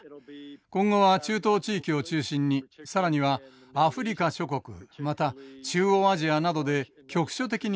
今後は中東地域を中心に更にはアフリカ諸国また中央アジアなどで局所的に戦いが続くでしょう。